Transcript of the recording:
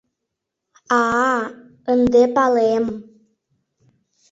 А-а-а, ынде палем.